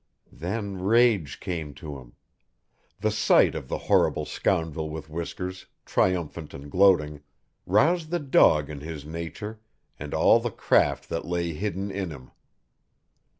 Then rage came to him. The sight of the horrible scoundrel with whiskers, triumphant and gloating, roused the dog in his nature, and all the craft that lay hidden in him.